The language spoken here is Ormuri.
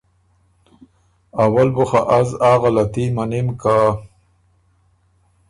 ”اول بُو خه از آ غلطي مَنِم که“